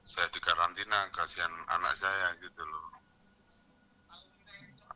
saya dikarantina kasihan anak saya gitu loh